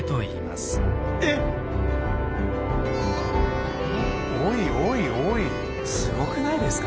すごくないですか。